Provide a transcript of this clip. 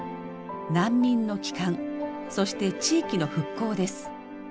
難民の帰還そして地域の復興です。